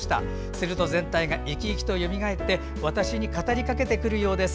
すると全体が生き生きとよみがえって私に語りかけてくるようです。